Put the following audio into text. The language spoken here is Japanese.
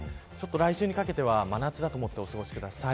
来週にかけては真夏だと思ってお過ごしください。